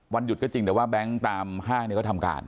หยุดก็จริงแต่ว่าแบงค์ตามห้างก็ทำการ